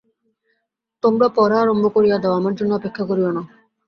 তোমারা পড়া আরম্ভ করিয়া দাও–আমার জন্য অপেক্ষা করিয়ো না।